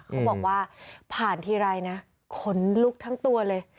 เขาบอกว่าผ่านทีไรนะ